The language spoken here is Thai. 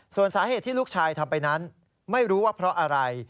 ส่วนสาเหตุที่ลูกชายทำไปนั้นไม่รู้ว่าเพราะอะไร